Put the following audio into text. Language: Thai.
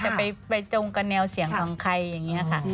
แต่ไปตรงกับแนวเสียงของใครอย่างนี้ค่ะ